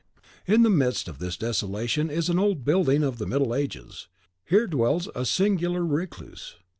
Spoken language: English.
In the midst of this desolation is an old building of the middle ages. Here dwells a singular recluse.